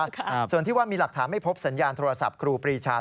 ครับส่วนที่ว่ามีหลักฐานไม่พบสัญญาณโทรศัพท์ครูปรีชา